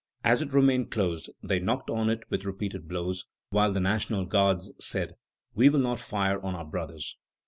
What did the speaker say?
As it remained closed, they knocked on it with repeated blows, while the National Guards said: "We will not fire on our brothers."